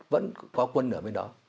vẫn có quân ở bên đó